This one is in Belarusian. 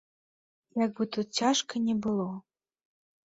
Як бы тут цяжка ні было.